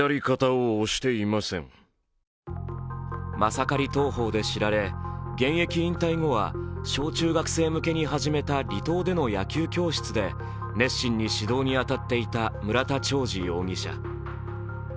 マサカリ投法で知られ、現役引退後は小中学生向けに始めた離島での野球教室で熱心に指導に当たっていた村田兆治容疑者。